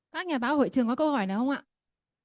các nhà báo hội trường có câu hỏi nào không ạ